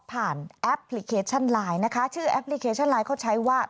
แอปพลิเคชันไลน์นะคะชื่อแอปพลิเคชันไลน์เขาใช้ว่า